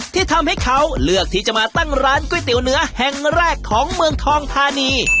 ที่ทำให้เขาเลือกที่จะมาตั้งร้านก๋วยเตี๋ยวเนื้อแห่งแรกของเมืองทองธานี